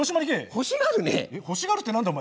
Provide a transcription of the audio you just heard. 「欲しがる」って何だお前。